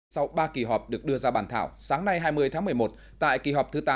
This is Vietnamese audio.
sau ba kỳ họp được đưa ra bàn thảo sáng nay hai mươi tháng một mươi một tại kỳ họp thứ tám